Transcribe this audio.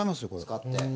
使って。